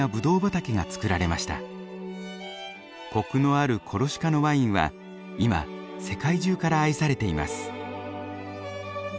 コクのあるコルシカのワインは今世界中から愛されています。